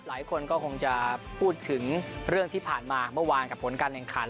หลายคนก็คงจะพูดถึงเรื่องที่ผ่านมาเมื่อวานกับผลการแข่งขัน